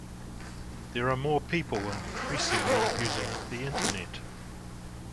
There are more people increasingly using the internet.